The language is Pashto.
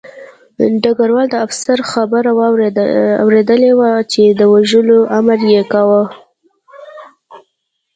ډګروال د افسر خبره اورېدلې وه چې د وژلو امر یې کاوه